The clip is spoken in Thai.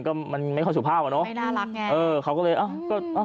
คุณธิชานุลภูริทัพธนกุลอายุ๓๔